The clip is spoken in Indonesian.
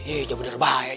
eh ya bener baik